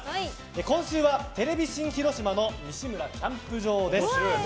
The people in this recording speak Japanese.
今週はテレビ新広島の「西村キャンプ場」です。